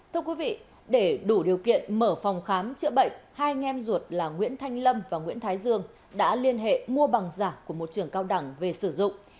thưa quý vị để đủ điều kiện mở phòng khám chữa bệnh hai anh em ruột là nguyễn thanh lâm và nguyễn thái dương đã liên hệ mua bằng giả của một trường cao đẳng về sử dụng